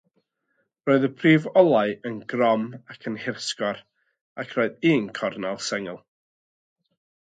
Roedd y prif olau yn grôm ac yn hirsgwar ac roedd un corn sengl.